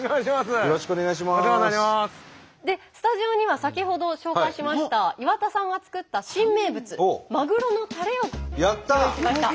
スタジオには先ほど紹介しました岩田さんが作った新名物まぐろのたれをやった！ご用意しました。